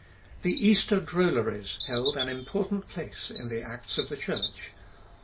The "Easter Drolleries" held an important place in the acts of the Church.